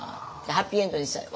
ハッピーエンドにしたい。